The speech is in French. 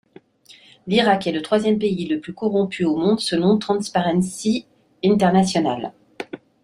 L’Irak est le troisième pays le plus corrompu au monde selon Transparency international.